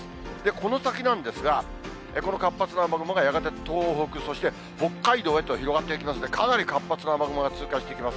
この先なんですが、この活発な雨雲が、やがて東北、そして北海道へと広がっていきますんで、かなり活発な雨雲が通過していきます。